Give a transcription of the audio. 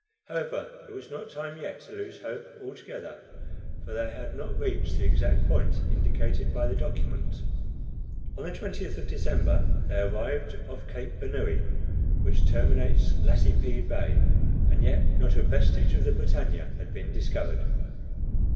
However, it was not time yet to lose hope altogether, for they had not reached the exact point indicated by the document. On the 20th of December, they arrived off Cape Bernouilli, which terminates Lacepede Bay, and yet not a vestige of the BRITANNIA had been discovered.